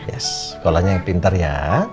ya sekolahnya yang pintar ya